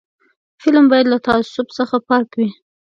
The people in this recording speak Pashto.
فلم باید له تعصب څخه پاک وي